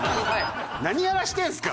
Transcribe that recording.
何やらせてるんですか！